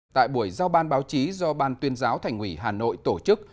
tại buổi giao ban báo chí do ban tuyên giáo thành ủy hà nội tổ chức